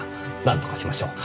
なんとかしましょう。